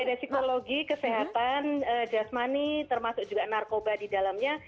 dari psikologi kesehatan just money termasuk juga narkoba di dalamnya